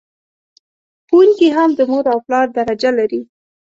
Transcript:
ښوونکي هم د مور او پلار درجه لر...